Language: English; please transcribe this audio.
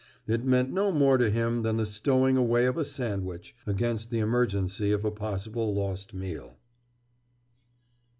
It meant no more to him than the stowing away of a sandwich against the emergency of a possible lost meal.